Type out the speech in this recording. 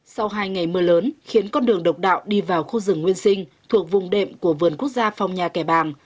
sau hai ngày mưa lớn khiến con đường độc đạo đi vào khu rừng nguyên sinh thuộc vùng đệm của vườn quốc gia phong nha kẻ bàng